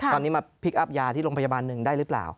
ตอนนี้มาพลิกอัพยาที่โรงพยาบาลหนึ่งได้หรือเปล่า